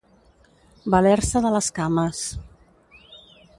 Valer-se de les cames.